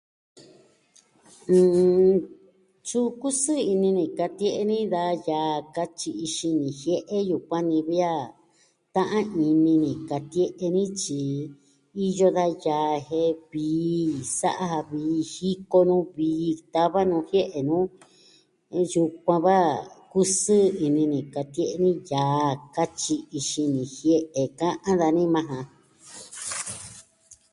N... Suu kusɨɨ ini ni katie'e ni da yaa katyi'i xini jie'e yukuan ni vi a ta'an ini ni katie'e ni tyi iyo da yaa jen vii. Sa'a ja vii, jiko nu vii tava nuu jie'e nu. Yukuan va kusɨɨ ini ni katie'e ni yaa katyi'i xini jie'e ka'an dani maa ja.